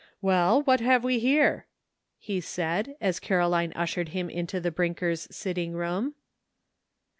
Well, what have we here?" he said, as Caroline ushered him into Mrs. Brinker's sitting room.